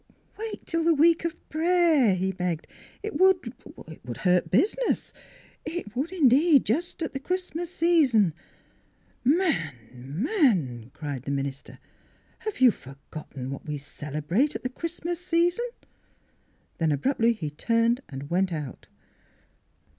" Wait till the week of prayer," he begged. " It would — er — hurt busi ness. It would indeed, just at the Christ mas season —"<( Man, man !" cried the minister, " have you forgotten what we celebrate at the Christmas season? " Then, abruptly he turned and went out.